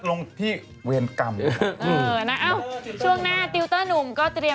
ก็เตรียมจะมาวิเคราะห์ตัวเลขนะคะ